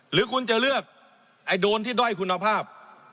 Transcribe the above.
หรือคุณจะเลือกไอ้โดรนที่ด้อยคุณภาพ